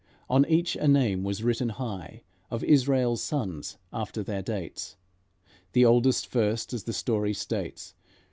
On each a name was written high Of Israel's sons after their dates, The oldest first, as the story states.